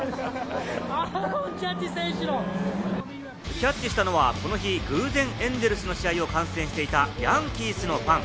キャッチしたのは、この日、偶然エンゼルスの試合を観戦していたヤンキースのファン。